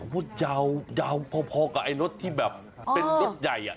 บ๊วยยยาวพอกับไอลดที่แบบเป็นรถใหญ่อ่ะ